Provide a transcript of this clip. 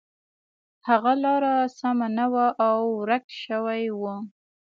هغه لاره سمه نه وه او ورک شوی و.